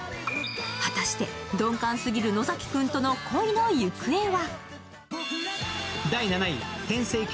果たして鈍感すぎる野崎くんとの恋の行方は？